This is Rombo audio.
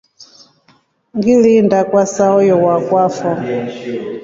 Ngiliinda kwa saayo wakwafo.